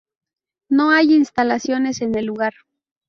No hay instalaciones en el lugar.